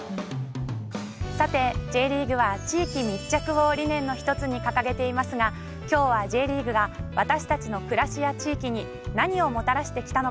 さてＪリーグは地域密着を理念の一つに掲げていますが今日はＪリーグが私たちの暮らしや地域に何をもたらしてきたのか。